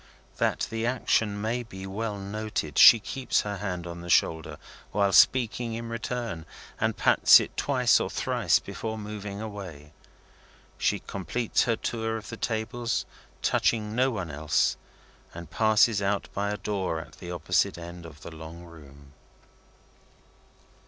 That the action may be well noted, she keeps her hand on the shoulder while speaking in return, and pats it twice or thrice before moving away. She completes her tour of the tables, touching no one else, and passes out by a door at the opposite end of the long room.